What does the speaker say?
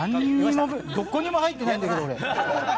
どこにも入ってないんだけど。